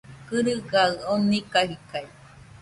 Kɨrɨgaɨ oni kajidaide